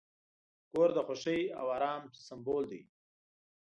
کور د خوښۍ او آرام سمبول دی.